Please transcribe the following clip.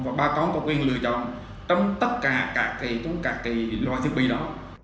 và bà con có quyền lựa chọn trong tất cả các loại thiết bị đó